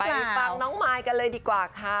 ไปฟังน้องมายกันเลยดีกว่าค่ะ